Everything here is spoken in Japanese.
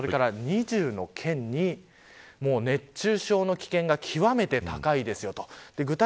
それから２０の県に熱中症の危険が極めて高いですよと。